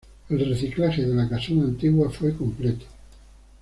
El reciclaje de la casona antigua fue completo.